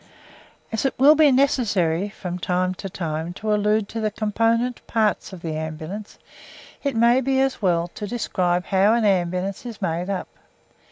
As it will be necessary from time to time to allude to the component parts of the Ambulance, it may be as well to describe how an ambulance is made up.